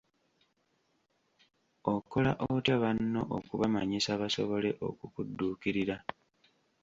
Okola otya banno okubamanyisa basobole okukudduukirira?